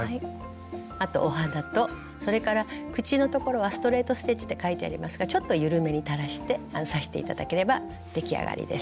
あとお鼻とそれから口のところはストレート・ステッチって書いてありますがちょっと緩めに垂らして刺して頂ければ出来上がりです。